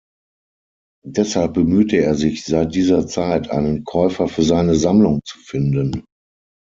Deshalb bemühte er sich seit dieser Zeit, einen Käufer für seine Sammlung zu finden.